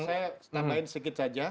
saya tambahin sedikit saja